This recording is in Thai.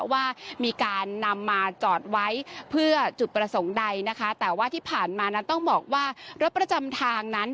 ว่ามีการนำมาจอดไว้เพื่อจุดประสงค์ใดนะคะแต่ว่าที่ผ่านมานั้นต้องบอกว่ารถประจำทางนั้น